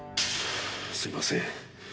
すいません。